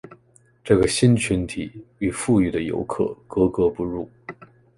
这个新群体与富裕的游客格格不入。